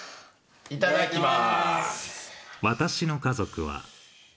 いただきます。